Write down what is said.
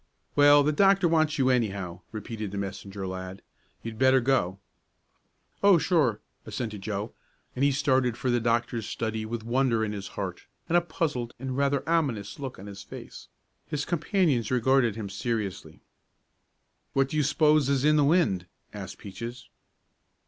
"Well, the doctor wants you, anyhow," repeated the messenger lad. "You'd better go." "Oh, sure," assented Joe, and he started for the doctor's study with wonder in his heart and a puzzled and rather an ominous look on his face. His companions regarded him seriously. "What do you s'pose is in the wind?" asked Peaches.